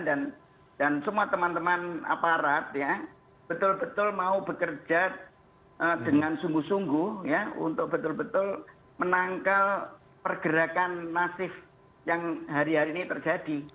dan semua teman teman aparat ya betul betul mau bekerja dengan sungguh sungguh ya untuk betul betul menangkal pergerakan masif yang hari hari ini terjadi